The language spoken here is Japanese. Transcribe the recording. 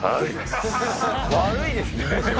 悪いですね。